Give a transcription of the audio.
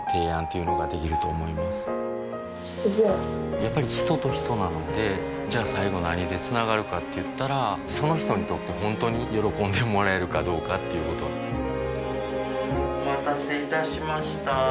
やっぱり人と人なのでじゃあ最後何でつながるかって言ったらその人にとって本当に喜んでもらえるかどうかっていうことお待たせいたしました。